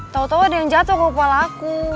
tau tau ada yang jatoh ke kepala aku